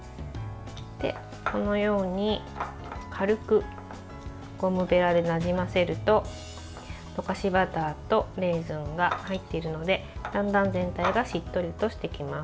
このように軽くゴムべらでなじませると溶かしバターとレーズンが入っているのでだんだん全体がしっとりとしてきます。